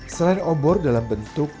selain obor dalam bentuk